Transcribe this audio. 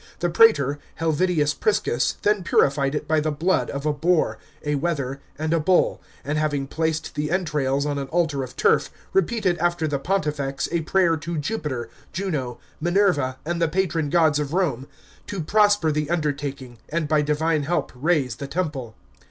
The praetor, Helvidius Priscus, then purified it by the blood of a boar, a wether, and a bull, and having placed the entrails on an altar of turf, repeated after the pontifex a prayer to Jupiter, Juno, Minerva, and the patron gods of Eome, to prosper the undertaking, and by divine help raise the temple.